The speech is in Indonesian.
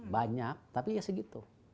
banyak tapi ya segitu